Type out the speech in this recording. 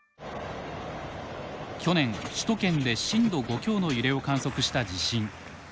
去年首都圏で震度５強の揺れを観測した地震。